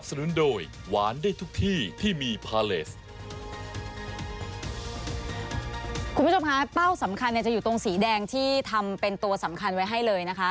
คุณผู้ชมคะเป้าสำคัญเนี่ยจะอยู่ตรงสีแดงที่ทำเป็นตัวสำคัญไว้ให้เลยนะคะ